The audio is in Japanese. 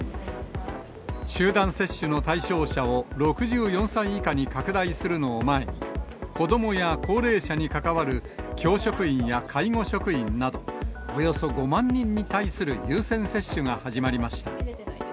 集団接種の対象者を６４歳以下に拡大するのを前に、子どもや高齢者に関わる教職員や介護職員など、およそ５万人に対する優先接種が始まりました。